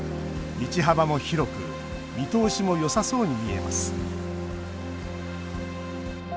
道幅も広く見通しもよさそうに見えます。